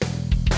terima kasih bang